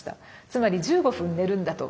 つまり１５分寝るんだと。